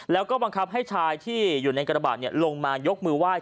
แล้วก็บังคับให้ชายที่อยู่ในกระบาดลงมายกมือไหว้